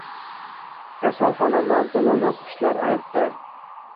Kasalxona manzilini qushlar aytdi.